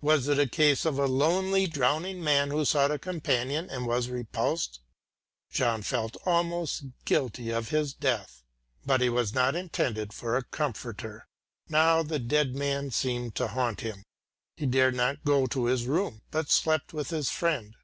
Was it a case of a lonely drowning man who sought a companion and was repulsed? John felt almost guilty of his death. But he was not intended for a comforter. Now the dead man seemed to haunt him; he dared not go to his room, but slept with his friend.